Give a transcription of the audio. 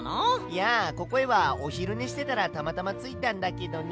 いやここへはおひるねしてたらたまたまついたんだけどね。